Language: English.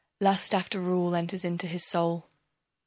Lust after rule enters into his soul.